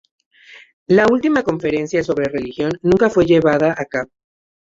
La última conferencia, sobre religión, nunca fue llevada a cabo.